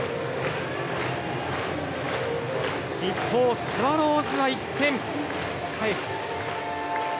一方、スワローズは１点を返す。